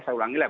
saya ulangi lah